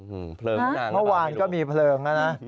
เมื่อวานก็มีเพลิงนะนะ